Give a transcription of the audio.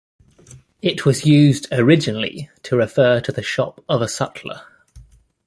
It was used originally to refer to the shop of a sutler.